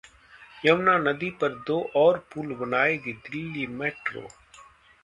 यमुना नदी पर दो और पुल बनाएगी दिल्ली मेट्रो